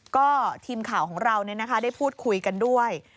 ก็ทีมข่าวของเราได้พูดคุยกันด้วย